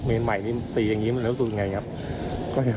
เมนใหม่ตีแบบนี้มันรู้ถึงอย่างไรครับ